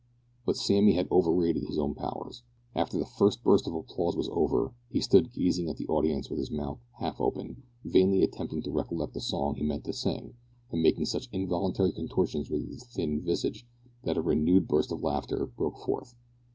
But Sammy had over rated his own powers. After the first burst of applause was over, he stood gazing at the audience with his mouth half open, vainly attempting to recollect the song he meant to sing, and making such involuntary contortions with his thin visage, that a renewed burst of laughter broke forth.